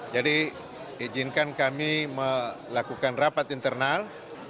jadi izinkan kami melakukan rapat internal